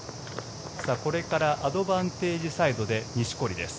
これからアドバンテージサイドで錦織です。